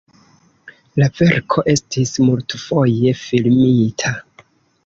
La verko estis multfoje filmita.